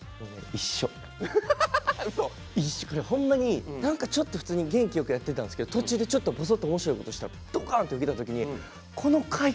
一緒これほんまに何かちょっと普通に元気よくやってたんですけど途中でちょっとぼそっと面白いことしてドカンとウケた時にそう！